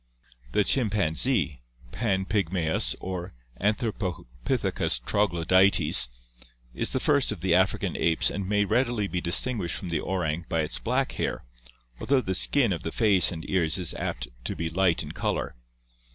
The chimpanzee (PI. XXVIII), Pan pygmaus or Anihropopithe cus troglodytes, is the first of the African apes and may readily be distinguished from the orang by its black hair, although the skin of the face and ears is apt to be light in color.